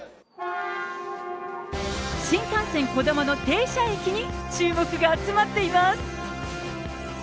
新幹線こだまの停車駅に注目が集まっています。